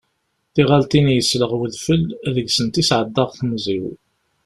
Tiɣaltin yesleɣ wedfel, deg-sent i sɛeddaɣ temẓi-w.